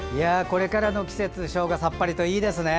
これからの季節ショウガ、さっぱりといいですね。